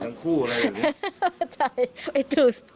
เธอทั้งคู่อะไรอยู่นี่